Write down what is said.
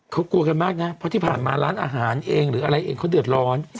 เกลือกันมากนะเพราะที่ผ่านล้านร้านอาหารเองเขาเดือดร้อน